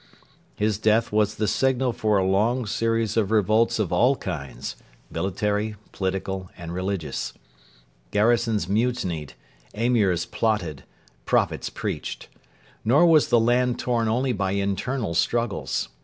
His death was the signal for a long series of revolts of all kinds military, political, and religious. Garrisons mutinied; Emirs plotted; prophets preached. Nor was the land torn only by internal struggles.